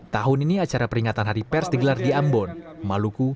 tahun ini acara peringatan hari pers digelar di ambon maluku